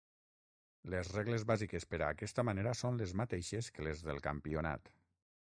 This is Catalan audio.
Les regles bàsiques per a aquesta manera són les mateixes que les del Campionat.